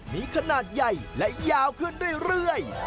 มีขนาดใหญ่และยาวขึ้นเรื่อย